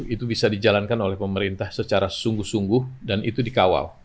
itu bisa dijalankan oleh pemerintah secara sungguh sungguh dan itu dikawal